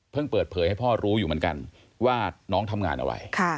เปิดเผยให้พ่อรู้อยู่เหมือนกันว่าน้องทำงานอะไร